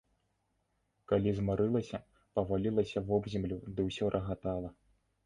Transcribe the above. Калі змарылася, павалілася вобземлю ды ўсё рагатала.